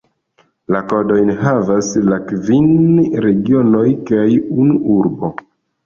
La kodojn havas la kvin regionoj kaj unu urbo.